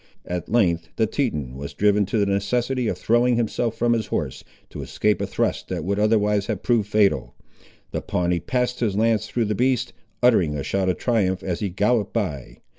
At length the Teton was driven to the necessity of throwing himself from his horse, to escape a thrust that would otherwise have proved fatal. The Pawnee passed his lance through the beast, uttering a shout of triumph as he galloped by.